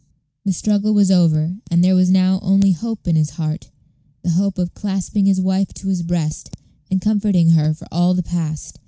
The struggle was over, and there was now only hope in his heart the hope of clasping his wife to his breast, and comforting her for all the past.